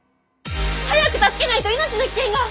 早く助けないと命の危険が！